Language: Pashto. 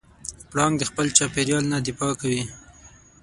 پړانګ د خپل چاپېریال نه دفاع کوي.